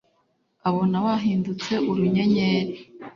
Abona wahindutse urunyenyeri!